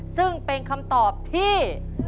ซึ่งเป็นคำตอบที่